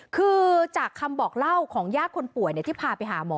คือจากคำบอกเล่าของญาติคนป่วยที่พาไปหาหมอ